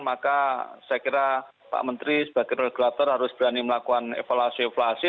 maka saya kira pak menteri sebagai regulator harus berani melakukan evaluasi evaluasi